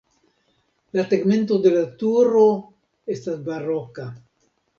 La tegmento de la turo estas baroka.